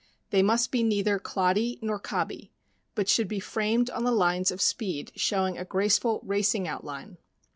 They must be neither "cloddy" nor "cobby," but should be framed on the "lines of speed," showing a graceful "racing outline."